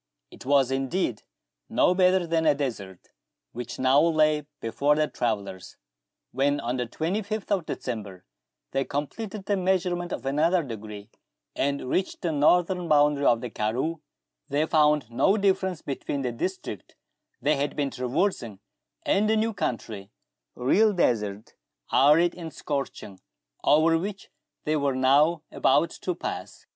It was indeed no better than a desert which now lay before the travellers. When, on the 25th of December, they completed the measurement of another degree, and reached the northern boundary of the karroo, they found no difference between the district they had been traversing and the new country, the real desert, arid and scorching, over which they were now about to pass.